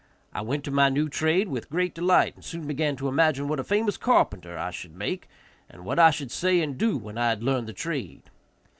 I went to my new trade with great delight, and soon began to imagine what a famous carpenter I should make, and what I should say and do when I had learned the trade.